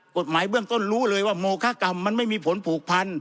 กฎหมายเบื้องต้นรู้เลยว่าโมคากรรมมันไม่มีผลผูกพัน